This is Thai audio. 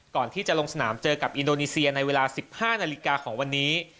ก่อนที่จะลงสนามเจอกับอินโดนีเซียในเวลา๑๕นาฬิกาของวันนี้